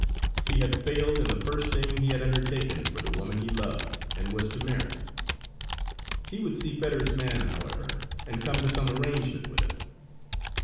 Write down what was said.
He had failed in the first thing he had undertaken for the woman he loved and was to marry. He would see Fetters's man, however, and come to some arrangement with him.